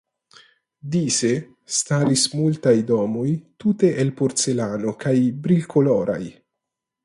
Dise staris multaj domoj tute el porcelano kaj brilkoloraj.